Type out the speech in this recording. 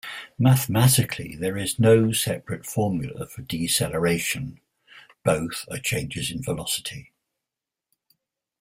Mathematically, there is no separate formula for deceleration: both are changes in velocity.